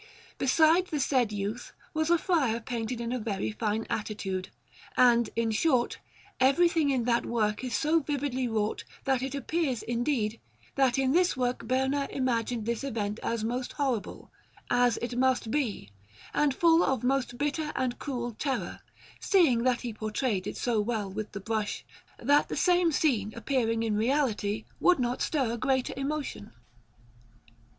Beside the said youth was a friar painted in a very fine attitude, and, in short, everything in that work is so vividly wrought that it appears, indeed, that in this work Berna imagined this event as most horrible, as it must be, and full of most bitter and cruel terror, seeing that he portrayed it so well with the brush that the same scene appearing in reality would not stir greater emotion.